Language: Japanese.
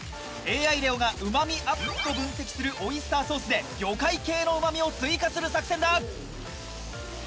ＡＩレオがうま味アップと分析するオイスターソースで魚介系のうま味を追加する作戦だ！